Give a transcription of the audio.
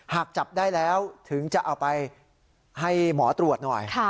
หากจับได้แล้วถึงจะเอาไปให้หมอตรวจหน่อย